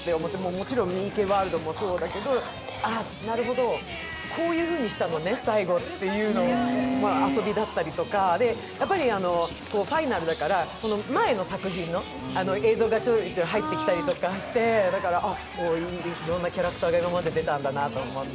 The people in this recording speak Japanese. もちろん三池ワールドもそうだけど、あ、なるほど、こういうふうにしたのね、最後っていう、遊びだったりとか、ファイナルだから前の作品の映像がちょいちょい入ってきたりとかして、だから、こんなキャラクターが今まで出たんだなと思って。